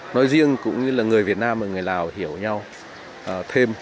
nói riêng cũng như là người việt nam và người lào hiểu nhau thêm